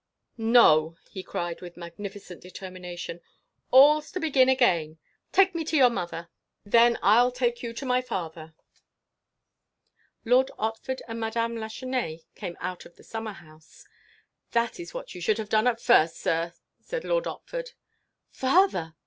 "No!" he cried, with magnificent determination. "All 's to begin again! Take me to your mother. Then I 'll take you to my father." Lord Otford and Madame Lachesnais had come out of the summer house. "That is what you should have done at first, sir!" said Lord Otford. "Father!"